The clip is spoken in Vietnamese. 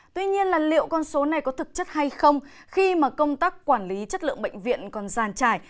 tuy nhiên liệu con số này có thực chất hay không khi công tác quản lý chất lượng bệnh viện còn gian trải